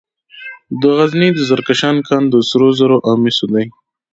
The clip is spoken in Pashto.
د غزني د زرکشان کان د سرو زرو او مسو دی.